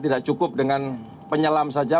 tidak cukup dengan penyelam saja